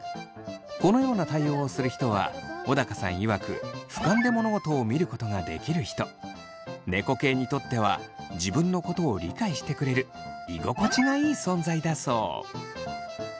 このような対応をする人は小高さんいわく猫系にとっては自分のことを理解してくれる居心地がいい存在だそう。